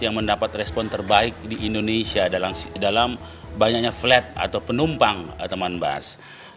yang mendapat respon terbaik di indonesia dalam banyaknya flat atau penumpang teman bas